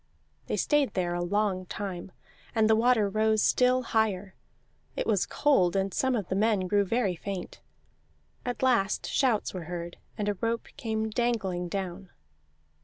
They stayed there a long time, and the water rose still higher; it was cold, and some of the men grew very faint. At last shouts were heard, and a rope came dangling down.